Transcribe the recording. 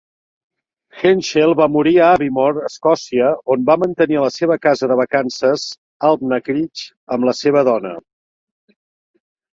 Henschel va morir a Aviemore, Escòcia, on va mantenir la seva casa de vacances "Alltnacriche" amb la seva dona.